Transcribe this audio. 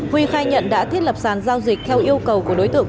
huy khai nhận đã thiết lập sản giao dịch theo yêu cầu của đối tượng